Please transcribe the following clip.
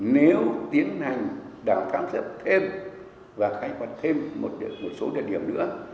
nếu tiến hành đảo thám xếp thêm và khai quật thêm một số địa điểm nữa